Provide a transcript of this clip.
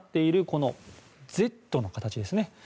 この「Ｚ」の形ですね。